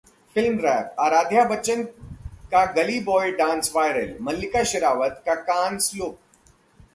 Film Wrap: Aaradhya Bachchan का Gully Boy dance viral, Mallika Sherawat का Cannes look